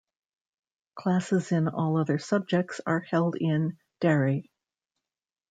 Classes in all other subjects are held in Dari.